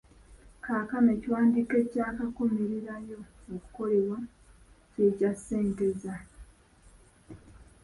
Kaakano ekiwandiiko ekyakakomererayo okukolebwa kye kya Ssenteza